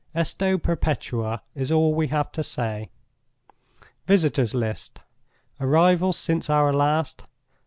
Esto Perpetua is all we have to say. "VISITORS' LIST.—Arrivals since our last.